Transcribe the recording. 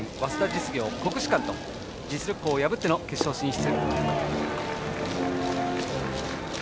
実業、国士舘と実力校を破っての決勝進出。